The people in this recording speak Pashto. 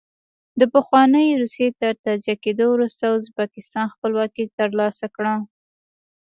د پخوانۍ روسیې تر تجزیه کېدو وروسته ازبکستان خپلواکي ترلاسه کړه.